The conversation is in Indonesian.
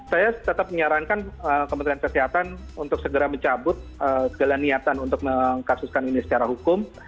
saya tetap menyarankan kementerian kesehatan untuk segera mencabut segala niatan untuk mengkasuskan ini secara hukum